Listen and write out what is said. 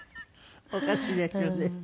おかしいですよね。